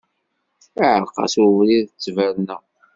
Iɛreq-as ubrid n ttberna.